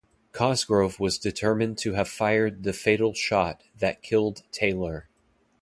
Cosgrove was determined to have fired the fatal shot that killed Taylor.